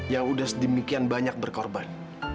yang sudah sedemikian banyak berkorban